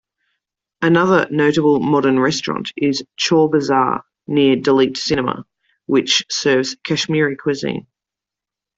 Another notable modern restaurant is "Chor Bizarre" near Delite cinema, which serves Kashmiri cuisine.